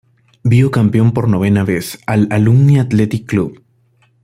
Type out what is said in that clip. Vio campeón por novena vez al Alumni Athletic Club.